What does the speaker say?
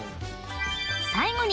［最後に］